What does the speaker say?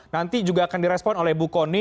nanti juga akan direspon oleh bu kony